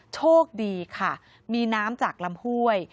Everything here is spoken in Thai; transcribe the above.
โชคดีค่ะมีน้ำจากลำห้วย